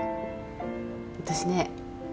私ね